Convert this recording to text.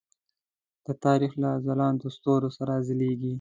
د تاریخ له ځلاندو ستورو سره ځلیږي.